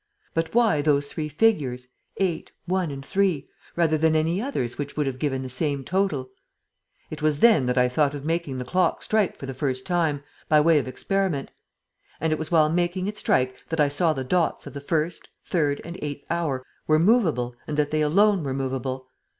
But why those three figures 8, 1 and 3, rather than any others which would have given the same total? ... It was then that I thought of making the clock strike for the first time, by way of experiment. And it was while making it strike that I saw the dots of the first, third and eighth hour were movable and that they alone were movable.